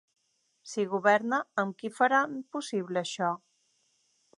Si governa, amb qui ho faran possible, això?